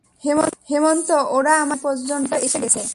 হেমন্ত ওরা আমাদের বাড়ি পর্যন্ত এসে গেছে।